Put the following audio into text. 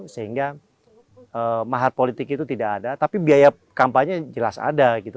sehingga mahar politik itu tidak ada tapi biaya kampanye jelas ada gitu